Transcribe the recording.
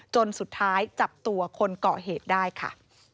จนสุดท้ายจับตัวคนก่อเหตุได้ค่ะ